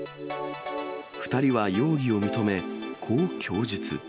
２人は容疑を認め、こう供述。